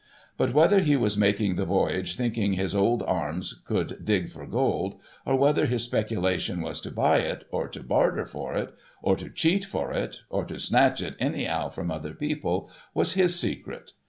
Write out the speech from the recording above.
But, whether he was making the voyage, thinking his old arms could dig for gold, or whether his speculation was to buy it, or to barter for it, or to cheat for it, or to snatch it anyhow from other people, was his secret.